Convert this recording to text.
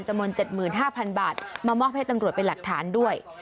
จะมนต์๗๕๐๐๐บาทมามอบให้ตังกรดเป็นหลักฐานด้วย